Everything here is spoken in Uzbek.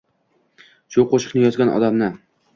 Shu qoʻshiqni yozgan odamni